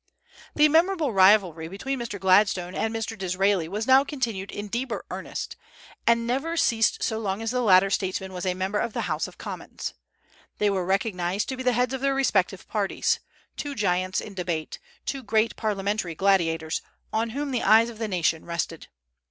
The memorable rivalry between Mr. Gladstone and Mr. Disraeli was now continued in deeper earnest, and never ceased so long as the latter statesman was a member of the House of Commons, They were recognized to be the heads of their respective parties, two giants in debate; two great parliamentary gladiators, on whom the eyes of the nation rested.